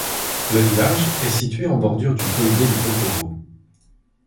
Le village est situé en bordure du poljé de Popovo.